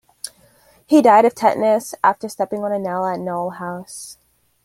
He died of tetanus after stepping on a nail at Knowle House.